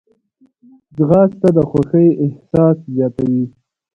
ځغاسته د خوښۍ احساس زیاتوي